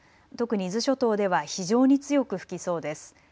特に伊豆諸島では非常に強く吹きそうです。